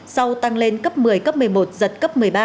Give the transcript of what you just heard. sau tăng lên cấp một mươi cấp một mươi một giật cấp một mươi ba